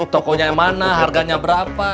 tokonya yang mana harganya berapa